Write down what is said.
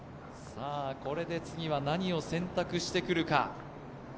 これで次は何を選択してくるか。